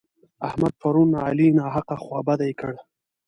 احمد پرون علي ناحقه خوابدی کړ.